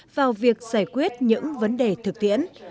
vào việc giải quyết những vấn đề thực tiễn